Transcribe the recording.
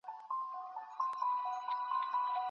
کلتور د ملت د بیدارۍ نښه ده.